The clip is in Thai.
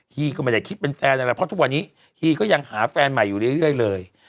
ีก็ไม่ได้คิดเป็นแฟนอะไรเพราะทุกวันนี้ฮีก็ยังหาแฟนใหม่อยู่เรื่อยเลย